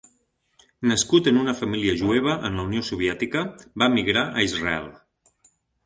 Nascut en una família jueva en la Unió Soviètica, va emigrar a Israel.